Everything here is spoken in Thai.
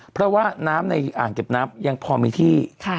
เพราะว่าน้ำในอ่างเก็บน้ำยังพอมีที่